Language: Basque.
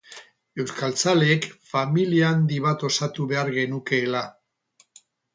Euskaltzaleek familia handi bat osatu behar genukeela.